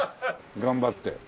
頑張って。